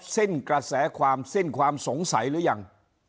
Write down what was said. สิ้นกระแสความสิ้นความสงสัยหรือยัง